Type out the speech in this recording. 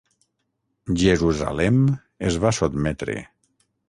Jerusalem es va sotmetre.